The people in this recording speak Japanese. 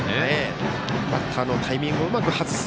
バッターのタイミングをうまく外す。